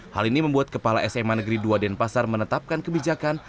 hal ini membuat kepala sma negeri dua denpasar menetapkan kebijakan